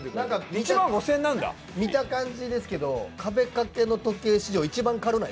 見た感じですけど壁掛け時計史上一番軽くない？